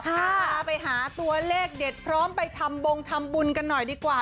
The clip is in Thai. พาไปหาตัวเลขเด็ดพร้อมไปทำบงทำบุญกันหน่อยดีกว่า